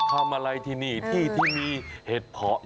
ฉันมาทำอะไรที่นี่ที่มีเห็ดผ่าอยู่เต็มไปหมดร้องเพลงอารมณ์หมก